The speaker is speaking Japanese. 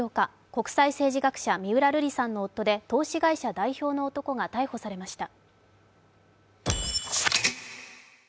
国際政治学者、三浦瑠麗さんの夫で投資会社代表の男が逮捕されました。